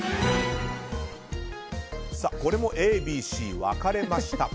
これもＡ、Ｂ、Ｃ分かれました。